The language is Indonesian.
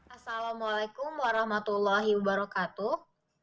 assalamualaikum warahmatullahi wabarakatuh